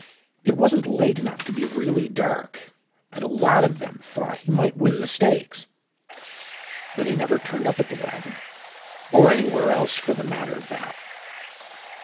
It wasn't late enough to be really dark, and a lot of them thought he might win the stakes. But he never turned up at the Wagon—or anywhere else for the matter of that."